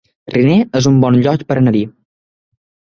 Riner es un bon lloc per anar-hi